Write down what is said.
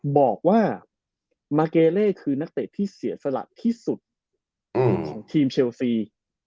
บอกว่ามาเกเล่คือนักเตะที่เสียสละที่สุดของทีมเชลซี